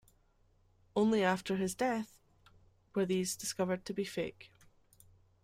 Only after his death were these discovered to be fake.